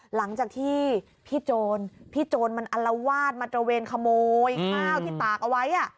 หลังจากที่พี่โจรพี่โจรมันอลวาดมาตระเวนขโมยข้าวที่ตากเอาไว้